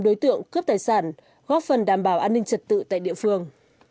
đối tượng cướp tài sản góp phần đảm bảo an ninh trật tự tại địa phương